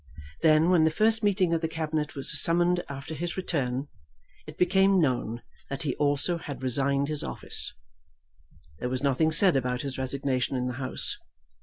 Then, when the first meeting of the Cabinet was summoned after his return, it became known that he also had resigned his office. There was nothing said about his resignation in the House.